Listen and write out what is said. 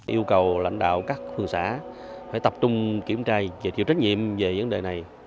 yêu cầu lãnh đạo các phường xã phải tập trung kiểm trai giới thiệu trách nhiệm về vấn đề này